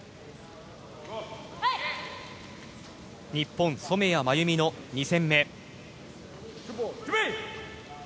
日本染谷真有美の２戦目。